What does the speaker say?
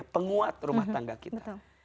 penguat rumah tangga kita